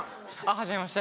はじめまして。